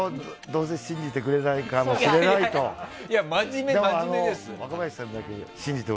どうせ信じてくれないかもしれないなって。